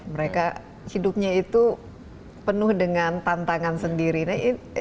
mereka hidupnya itu penuh dengan tantangan sendiri